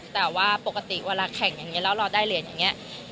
แต่ว่าปกติเวลาแข่งอย่างนี้แล้วเราได้เหรียญอย่างนี้